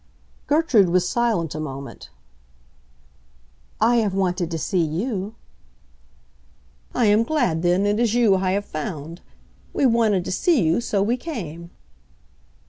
Gertrude was silent a moment. "I have wanted to see you." "I am glad, then, it is you I have found. We wanted to see you, so we came."